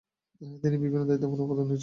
তিনি বিভিন্ন দায়িত্বপূর্ণ পদে নিযুক্ত ছিলেন।